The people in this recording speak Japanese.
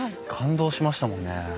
感動しましたもんね。